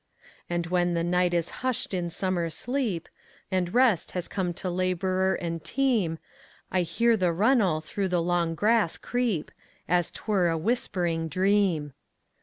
And when the night is hush'd in summer sleep, And rest has come to laborer and team,I hear the runnel through the long grass creep, As 't were a whispering dream.